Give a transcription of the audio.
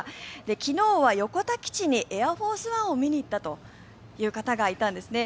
昨日は横田基地にエアフォース・ワンを見に行ったという方がいたんですね。